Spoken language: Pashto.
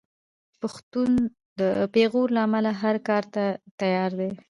پښتون د پېغور له امله هر کار ته تیار دی.